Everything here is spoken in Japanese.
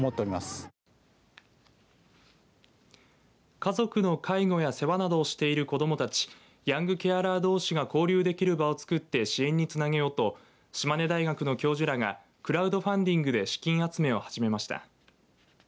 家族の介護や世話などしている子どもたちヤングケアラーどうしが交流できる場を作って支援につなげようと島根大学の教授らがクラウドファンディングで資金集めを始めました。